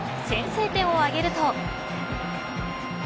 先制点を挙げると。